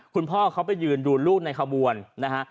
คุณพ่อเขาไปยืนดูลูกในขบวนนะฮะ